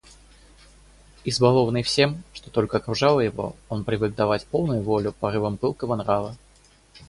Избалованный всем, что только окружало его, он привык давать полную волю порывам пылкого нрава.